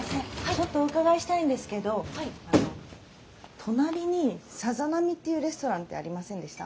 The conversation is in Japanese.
ちょっとお伺いしたいんですけどあの隣にさざ波っていうレストランってありませんでした？